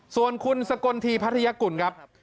ส่วนคุณสกลทีพัทยากุลครับ